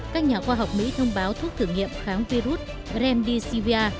các nhà khoa học mỹ thông báo thuốc thử nghiệm kháng virus gremddcvar